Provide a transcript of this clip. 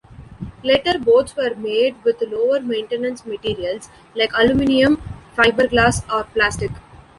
Later boats were made with lower maintenance materials like aluminum, fiberglass, or plastic.